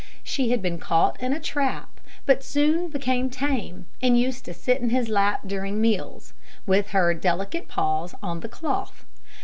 She had been caught in a trap, but soon became tame, and used to sit in his lap during meals, with her delicate paws on the cloth.